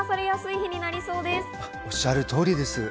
おっしゃる通りです。